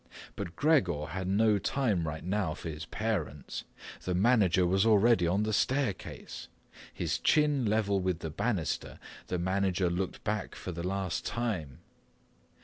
But Gregor had no time right now for his parents—the manager was already on the staircase. His chin level with the banister, the manager looked back for the last time.